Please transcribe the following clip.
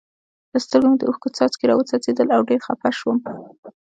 له سترګو مې د اوښکو څاڅکي را و څڅېدل او ډېر خپه شوم.